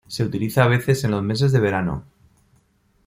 Se utiliza a veces en los meses de verano.